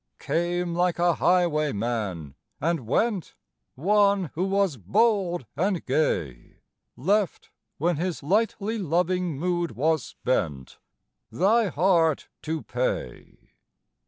Came like a highwayman, and went, One who was bold and gay, Left when his lightly loving mood was spent Thy heart to pay.